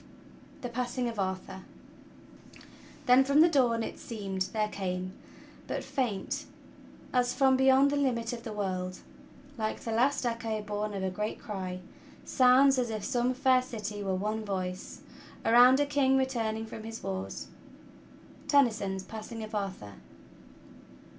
XII Ol)e 45as5in9 of ^rt^ur " Then from the dawn it seem'd there came, but faint As from beyond the limit of the world, Like the last echo born of a great cry. Sounds, as if some fair city were one voice Around a king returning from his wars. Tennyson's "Passing of Arthur.